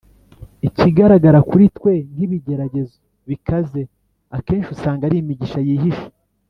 “ikigaragara kuri twe nk'ibigeragezo bikaze akenshi usanga ari imigisha yihishe.”